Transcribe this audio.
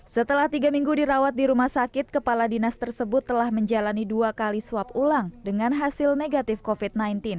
setelah tiga minggu dirawat di rumah sakit kepala dinas tersebut telah menjalani dua kali swab ulang dengan hasil negatif covid sembilan belas